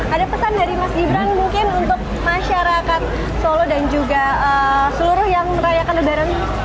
ada pesan dari mas gibran mungkin untuk masyarakat solo dan juga seluruh yang merayakan lebaran